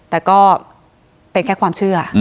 แต่ก็เป็นแค่ความเชื่อ